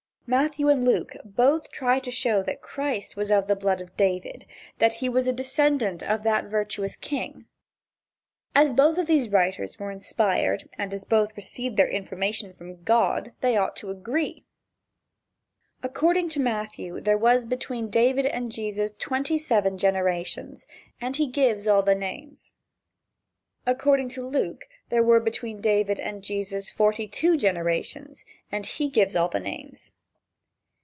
Matthew and Luke both try to show that Christ was of the blood of David, that he was a descendant of that virtuous king. As both of these writers were inspired and as both received their information from God, they ought to agree. According to Matthew there was between David and Jesus twenty seven generations, and he gives all the names. According to Luke there were between David and Jesus forty two generations, and he gives all the names.